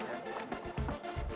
selamat siang pak